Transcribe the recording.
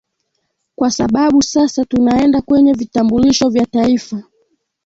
kwa sababu sasa tunaenda kwenye vitambulisho vya taifa